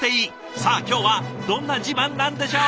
さあ今日はどんな自慢なんでしょう？